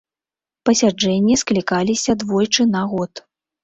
Пасяджэнні склікаліся двойчы на год.